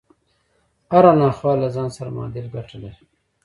هره ناخواله له ځان سره معادل ګټه لري